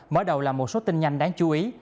mở đầu là một số tin nhanh đáng chú ý